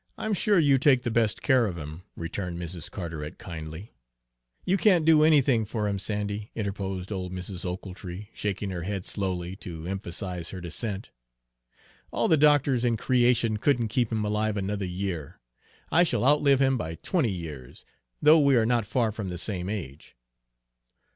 "I'm sure you take the best care of him," returned Mrs. Carteret kindly. "You can't do anything for him, Sandy," interposed old Mrs. Ochiltree, shaking her head slowly to emphasize her dissent. "All the doctors in creation couldn't keep him alive another year. I shall outlive him by twenty years, though we are not far from the same age."